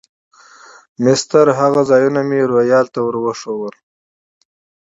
مسطر هغه ځایونه مې روهیال ته ور وښوول.